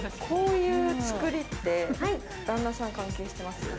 こういう作りって、旦那さん、関係してます？